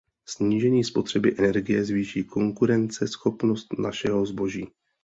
Snížení spotřeby energie zvýší konkurenceschopnost našeho zboží.